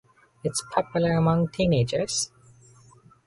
It is popular among teenagers.